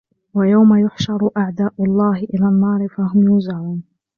وَيَوْمَ يُحْشَرُ أَعْدَاءُ اللَّهِ إِلَى النَّارِ فَهُمْ يُوزَعُونَ